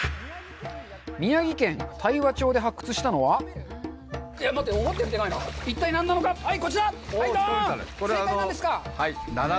宮城県大和町で発掘したのは待って思ったよりでかいな一体何なのかはいこちらはいドーン正解何ですか？